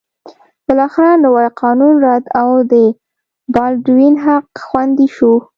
بالاخره نوی قانون رد او د بالډوین حق خوندي شو.